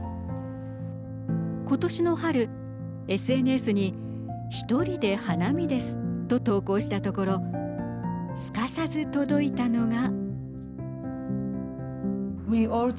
ことしの春、ＳＮＳにひとりで花見ですと投稿したところすかさず届いたのが。